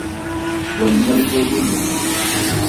وَالْمَلَقُ ذُلٌّ